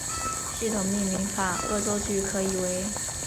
系统命名法恶作剧可以为